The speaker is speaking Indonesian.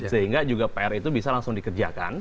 sehingga juga pr itu bisa langsung dikerjakan